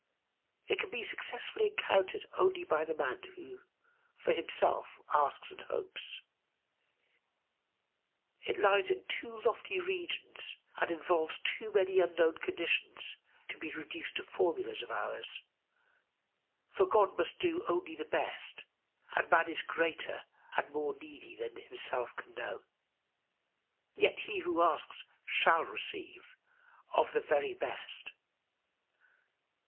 It can be successfully encountered only by the man who for himself asks and hopes. It lies in too lofty regions and involves too many unknown conditions to be reduced to formulas of ours; for God must do only the best, and man is greater and more needy than himself can know. Yet he who asks shall receive of the very best.